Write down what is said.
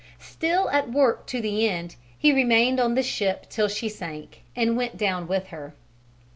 Still at work to the end, he remained on the ship till she sank and went down with her.